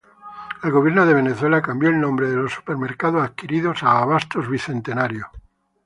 El gobierno de Venezuela cambió el nombre de los supermercados adquiridos a Abastos Bicentenario.